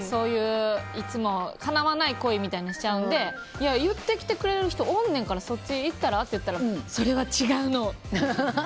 いつもかなわない恋みたいなのしちゃうので言ってきてくれる人おんねんからそっち行ったら？って言うと言いそう。